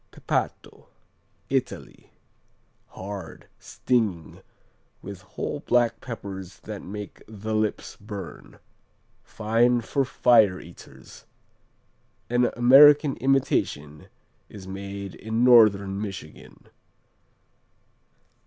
Pepato Italy Hard; stinging, with whole black peppers that make the lips burn. Fine for fire eaters. An American imitation is made in Northern Michigan.